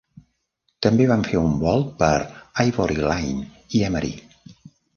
També van fer un volt per Ivoryline i Emery.